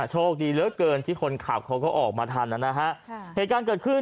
โชคดีเหลือเกินที่คนขับเขาก็ออกมาทันนะฮะค่ะเหตุการณ์เกิดขึ้น